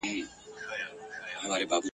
محتسب وړی قلم له نجونو ..